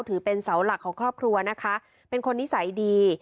ถือเป็นเสาหลักของครอบครัวนะคะเป็นคนนิสัยดี